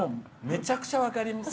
めちゃくちゃ分かります。